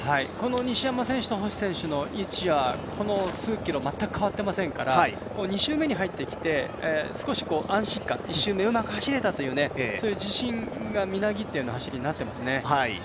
西山選手と星選手の位置はこの数キロ全く変わっていませんから、２周目に入ってきて少し安心感１周目うまく走れたというそういう自信がみなぎったような走りになっていますね。